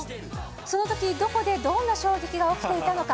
そのとき、どこでどんな衝撃が起きていたのか。